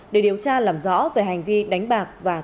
để điều tra làm rõ về hành vi đánh bạc và